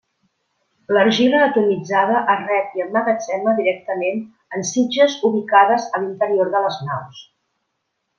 L'argila atomitzada es rep i emmagatzema directament en sitges ubicades a l'interior de les naus.